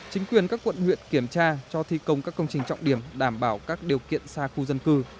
chính quyền các quận huyện kiểm tra cho thi công các công trình trọng điểm đảm bảo các điều kiện xa khu dân cư